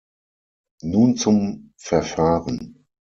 Nun zum Verfahren.